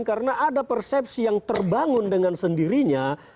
karena ada persepsi yang terbangun dengan sendirinya